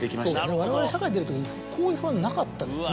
われわれ社会出るときこういう不安なかったですね。